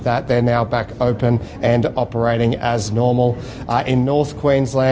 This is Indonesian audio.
yang terkait dengan itu sekarang kembali terbuka dan beroperasi seperti biasa